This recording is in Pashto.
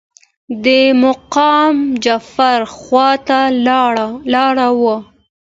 د مقام جعفر خواته لاړو.